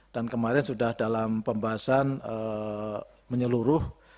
dan kemarin sudah dalam pembahasan menyeluruh